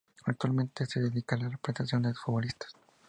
Actualmente se dedica a la representación de futbolistas.